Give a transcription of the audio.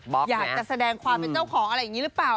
อยากจะแสดงความเป็นเจ้าของอะไรอย่างนี้หรือเปล่า